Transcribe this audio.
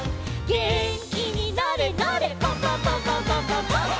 「げんきになれなれパンパンパンパンパンパンパン！！」